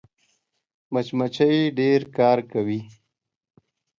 مچمچۍ ډېر کار کوي